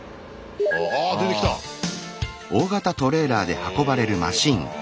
あ出てきた！へ。